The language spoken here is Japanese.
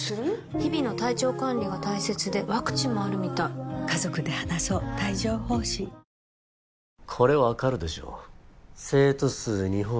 日々の体調管理が大切でワクチンもあるみたいあっおった。